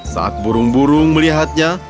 saat burung burung melihatnya